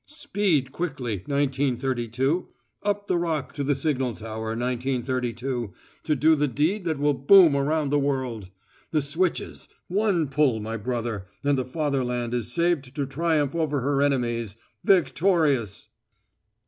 "Speed quickly, Nineteen Thirty two! Up the Rock to the signal tower, Nineteen Thirty two, to do the deed that will boom around the world. The switches one pull, my brother, and the fatherland is saved to triumph over her enemies, victorious!"